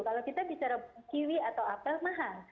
kalau kita bicara kiwi atau apel mahal